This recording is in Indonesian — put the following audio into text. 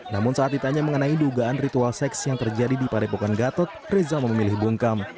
namun saat ditanya mengenai dugaan ritual seks yang terjadi di padepokan gatot reza memilih bungkam